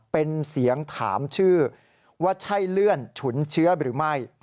เป็นเสียงถามชื่อว่าใช่เลื่อนฉุนเชื้อหรือไม่